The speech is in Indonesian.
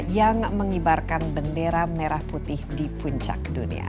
yang mengibarkan bendera merah putih di puncak dunia